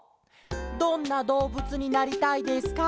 「どんなどうぶつになりたいですか？